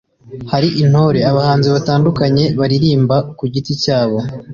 Hari intore, abahanzi batandukanye baririmba ku giti cyabo